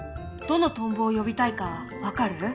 どのトンボを呼びたいか分かる？